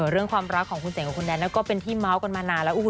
เรื่องความรักของคุณเสกกับคุณแดนก็เป็นที่เมาส์กันมานานแล้ว